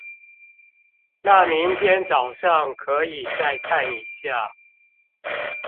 那明天早上可以再看一下